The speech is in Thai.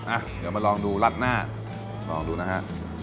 อ่ะเดี๋ยวมาลองดูรัดหน้าลองดูนะฮะ